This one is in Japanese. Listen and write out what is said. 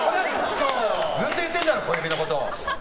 ずっと言ってるだろ小指のこと。